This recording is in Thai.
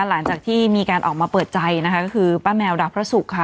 หลังจากที่มีการออกมาเปิดใจนะคะก็คือป้าแมวดาวพระศุกร์ค่ะ